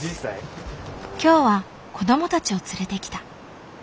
今日は子どもたちを連れてきた。